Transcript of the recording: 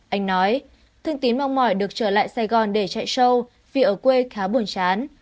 anh nói thương tím mong mỏi được trở lại sài gòn để chạy sâu vì ở quê khá buồn chán